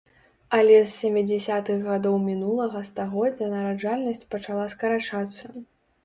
Але з сямідзясятых гадоў мінулага стагоддзя нараджальнасць пачала скарачацца.